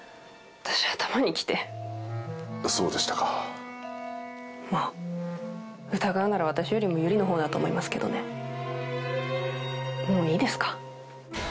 私頭にきてそうでしたかまあ疑うなら私よりもユリのほうだと思いますけどねもういいですか？